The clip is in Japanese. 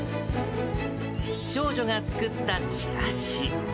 長女が作ったチラシ。